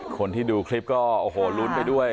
คนที่ดูคลิปก็โอ้โหดูลลลยัดไปด้วย